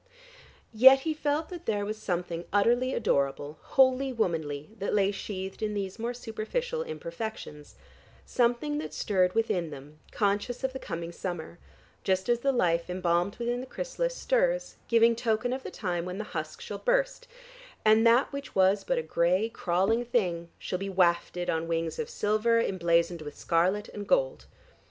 Yet he felt that there was something utterly adorable, wholly womanly that lay sheathed in these more superficial imperfections, something that stirred within them conscious of the coming summer, just as the life embalmed within the chrysalis stirs, giving token of the time when the husk shall burst, and that which was but a gray crawling thing shall be wafted on wings of silver emblazoned with scarlet and gold.